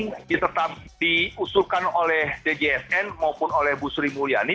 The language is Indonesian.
jadi tetap diusulkan oleh djsn maupun oleh bu sri mulyani